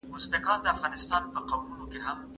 تاسي په اخیرت کي د کوم نعمت شکر ادا کوئ؟